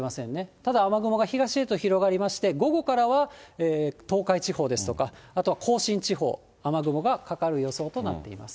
ただ雨雲が東へと広がりまして、午後からは東海地方ですとか、あとは甲信地方、雨雲がかかる予想となっています。